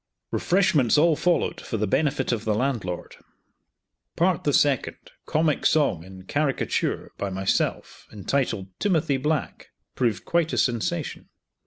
Refreshments all followed, for the benefit of the landlord. Part of the second, a comic song, in caricature, by myself, entitled "Timothy Black," proved quite a sensation.